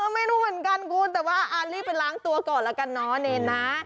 ไม่รู้เหมือนกันคุณแต่ว่ารีบไปล้างตัวก่อนแล้วกันเนาะเนรนะ